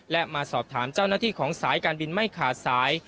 และมาสอบถามเจ้าหน้าที่ของสายการบินไม่ขาดสาย